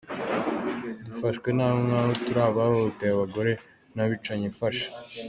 Dufashwe nabi nk’aho turi abahohoteye abagore n’ abicanyifashe".